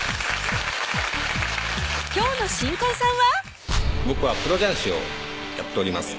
今日の新婚さんは僕はプロ雀士をやっております